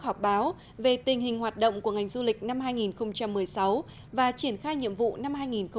họp báo về tình hình hoạt động của ngành du lịch năm hai nghìn một mươi sáu và triển khai nhiệm vụ năm hai nghìn một mươi chín